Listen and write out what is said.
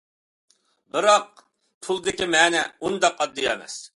بىراق، پۇلدىكى مەنە ئۇنداق ئاددىي ئەمەس.